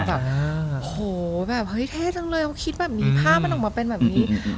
แบบโหแบบเฮ้ยเท่จังเลยเขาคิดแบบนี้ภาพมันออกมาเป็นแบบนี้